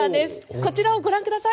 こちらをご覧ください。